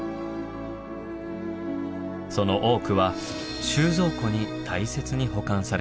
その多くは収蔵庫に大切に保管されています。